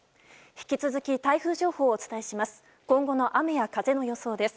引き続き台風情報をお伝えします。